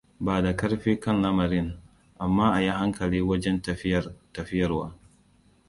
Bada karfi kan lamarin, amma a yi hankali wajen tafiyarwa!